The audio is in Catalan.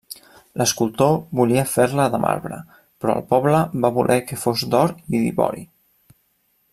L'escultor volia fer-la de marbre, però el poble va voler que fos d'or i d'ivori.